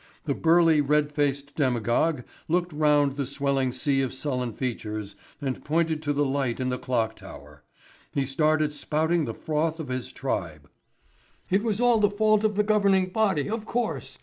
The burly red faced demagogue looked round the swelling sea of sullen features and pointed to the light in the clock tower. He started spouting the froth of his tribe. It was all the fault of the governing body, of course.